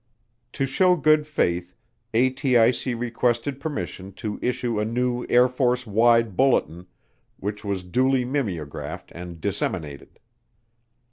To show good faith ATIC requested permission to issue a new Air Force wide bulletin which was duly mimeographed and disseminated.